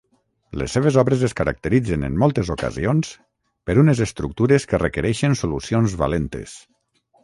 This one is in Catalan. Les seves obres es caracteritzen en moltes ocasions per unes estructures que requereixen solucions valentes.